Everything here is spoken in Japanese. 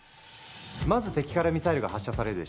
まず敵からミサイルが発射されるでしょ。